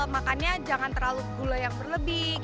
makannya jangan terlalu gula yang berlebih